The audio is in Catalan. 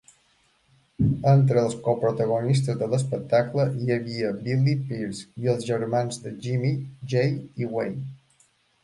Entre els coprotagonistes de l'espectacle, hi havia Billy Pearce i els germans de Jimmy, Jay i Wayne.